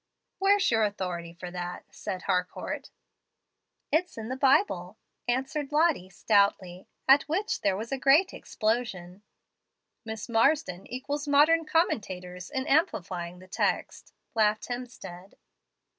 "Where's your authority for that?" said Harcourt. "It's in the Bible," answered Lottie, stoutly; at which there was a great explosion. "Miss Marsden equals modern commentators in amplifying the text," laughed Hemstead.